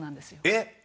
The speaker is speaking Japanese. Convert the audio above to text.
えっ？